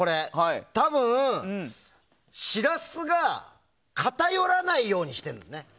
多分、シラスが偏らないようにしてるのね。